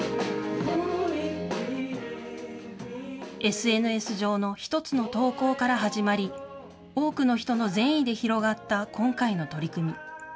ＳＮＳ上の１つの投稿から始まり、多くの人の善意で広がった今回の取り組み。